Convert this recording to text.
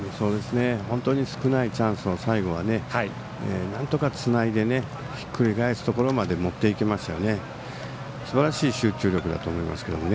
本当に少ないチャンスを最後はなんとかつないでひっくり返すところまで持っていってすばらしい集中力だったと思いますけどね。